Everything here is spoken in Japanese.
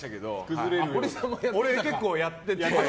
俺、結構やってて。